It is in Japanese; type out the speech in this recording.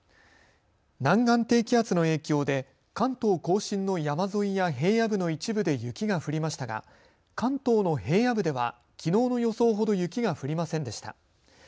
南岸低気圧の影響で関東甲信の山沿いや平野部の一部で雪が降りましたが関東の平野部では、きのうの予想ほど雪が降りませんでした。